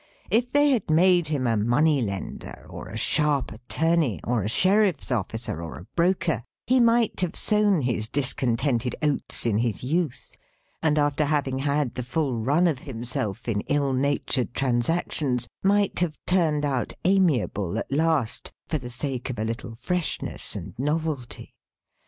If they had made him a Money Lender, or a sharp Attorney, or a Sheriff's Officer, or a Broker, he might have sown his discontented oats in his youth, and after having had the full run of himself in ill natured transactions, might have turned out amiable, at last, for the sake of a little freshness and novelty.